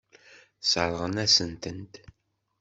Sseṛɣen-asent-tent.